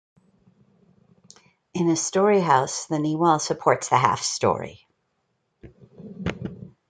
In a -story house, the knee wall supports the "half story".